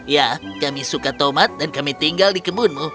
ya kami suka tomat dan kami tinggal di kebunmu